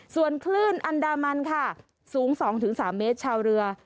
ส่วนคลื่นอันดามันค่ะสูง๒๓เมตรชาวเรือ